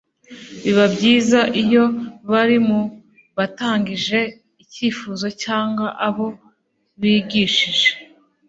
biba byiza iyo bari mu batangije icyifuzo cyangwa abo bigishije